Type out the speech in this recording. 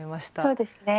そうですね。